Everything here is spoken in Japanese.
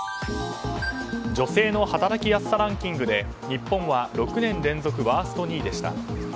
女性の働きやすさランキングで日本は６年連続ワースト２位でした。